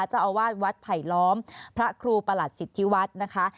เจ้าอาวาสวัดไผลล้อมพระครูประหลัดสิทธิวัฒน์นะคะ